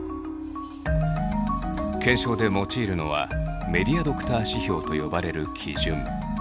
検証で用いるのは「メディアドクター指標」と呼ばれる基準。